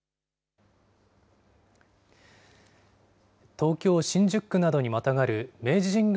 東京・新宿区などにまたがる明治神宮